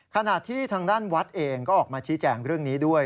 ขณะที่ทางด้านวัดเองก็ออกมาชี้แจงเรื่องนี้ด้วย